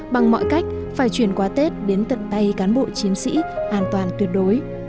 bằng mọi cách phải chuyển qua tết đến tận tay cán bộ chiến sĩ an toàn tuyệt đối